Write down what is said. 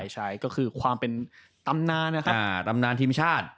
ใช่คือความเป็นตำนานตำนานทีมชาติ